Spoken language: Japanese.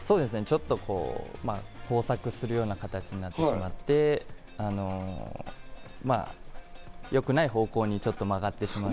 ちょっと交錯するような形になってしまって、まぁ、よくない方向にちょっと曲がってしまって。